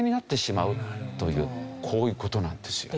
こういう事なんですよ。